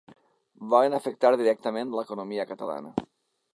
Volen afectar directament l’economia catalana.